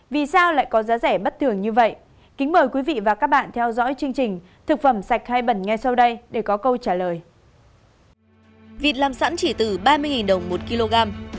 vịt làm sẵn chỉ từ ba mươi đồng một kg